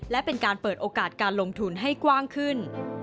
และเป็นการเปิดโอกาสการลงทุนให้กว้างขึ้น